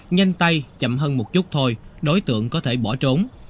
nhanh tay chậm hơn một chút thôi đối tượng có thể bỏ trốn